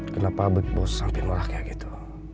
kenapa berbos sampai merah kayak gitu